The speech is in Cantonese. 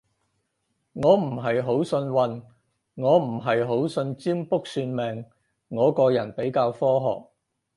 我唔係好信運，我唔係好信占卜算命，我個人比較科學